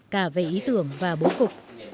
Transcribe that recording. cả về ý tưởng và bố cục